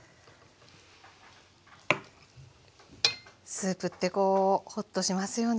スープってこうホッとしますよね。